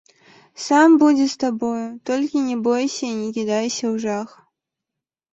Сам будзе з табою, толькі не бойся і не кідайся ў жах.